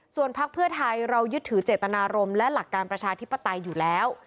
ส่วนพักเพื่อไทยเรายึดถือเจตนารมณ์และหลักการประชาธิปไตยอยู่แล้ว